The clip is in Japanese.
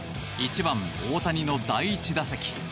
１番、大谷の第１打席。